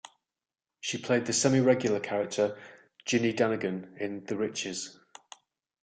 She played the semi-regular character Ginny Dannegan in "The Riches".